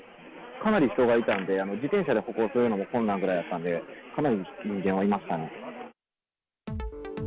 かなり人がいたんで、自転車で走行するのが困難なぐらいやったんで、かなりの人がいましたね。